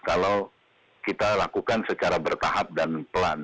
kalau kita lakukan secara bertahap dan pelan